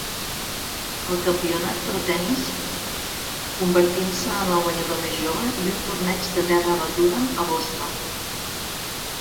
el campionat Pro Tennis, convertint-se en el guanyador més jove, i un torneig de terra batuda a Boston.